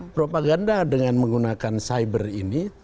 propaganda dengan menggunakan cyber ini